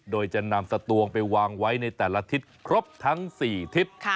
โดยจะนำสตวงไปวางไว้ในแต่ละทิศครบทั้ง๔ทิศ